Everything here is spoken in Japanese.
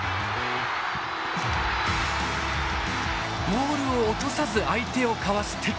ボールを落とさず相手をかわすテクニック。